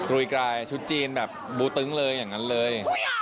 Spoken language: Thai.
ยกลายชุดจีนแบบบูตึ้งเลยอย่างนั้นเลย